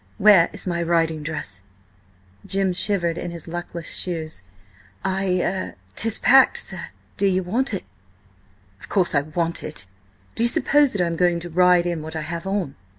"Where is my riding dress?" Jim shivered in his luckless shoes. "I–er–'tis packed, sir. Do ye want it?" "Of course I want it! Do you suppose that I am going to ride in what I have on?"